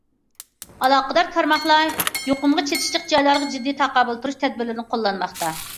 ئالاقىدار تارماقلار يۇقۇمغا چېتىشلىق جايلارغا جىددىي تاقابىل تۇرۇش تەدبىرلىرىنى قوللانماقتا.